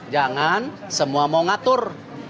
jangan semua mau mengatur